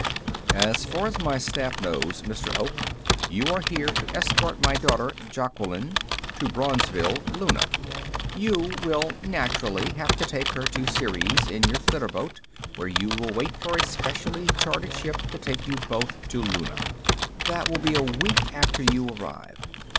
"As far as my staff knows, Mr. Oak, you are here to escort my daughter, Jaqueline, to Braunsville, Luna. You will, naturally, have to take her to Ceres in your flitterboat, where you will wait for a specially chartered ship to take you both to Luna. That will be a week after you arrive.